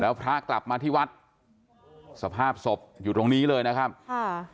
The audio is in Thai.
แล้วพระกลับมาที่วัดสภาพศพอยู่ตรงนี้เลยนะครับค่ะ